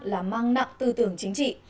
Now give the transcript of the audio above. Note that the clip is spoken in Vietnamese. là mang nặng tư tưởng chính trị